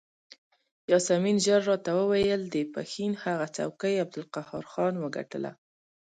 یاسمین ژر راته وویل د پښین هغه څوکۍ عبدالقهار خان وګټله.